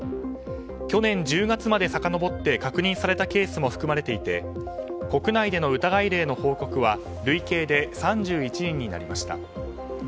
去年１０月までさかのぼって確認されたケースも含まれていて国内での疑い例の報告は累計で３１人になりました。